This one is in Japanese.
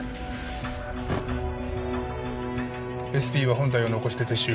ＳＰは本隊を残して撤収。